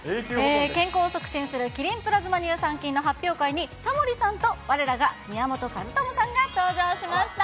健康を促進するキリンプラズマ乳酸菌の発表会に、タモリさんと、われらが宮本和知さんが登場しました。